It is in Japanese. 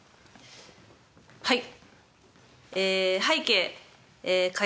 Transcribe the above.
はい。